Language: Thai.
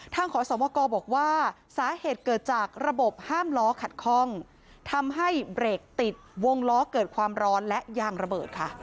ขอสมกรบอกว่าสาเหตุเกิดจากระบบห้ามล้อขัดข้องทำให้เบรกติดวงล้อเกิดความร้อนและยางระเบิดค่ะ